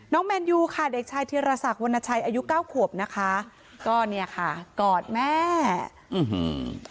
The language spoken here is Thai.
แมนยูค่ะเด็กชายธิรษักวรรณชัยอายุเก้าขวบนะคะก็เนี่ยค่ะกอดแม่อื้อหือ